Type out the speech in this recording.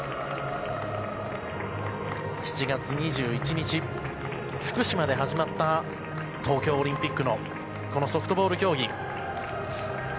７月２１日、福島で始まった東京オリンピックのソフトボール競技。